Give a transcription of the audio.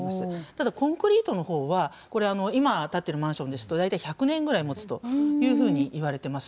ただコンクリートの方はこれ今建ってるマンションですと大体１００年ぐらいもつというふうにいわれてます。